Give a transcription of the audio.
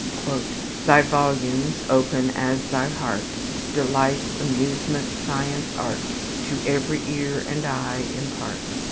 "Thy volumes, open as thy heart, Delight, amusement, science, art, To every ear and eye impart.